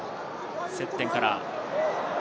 接点から。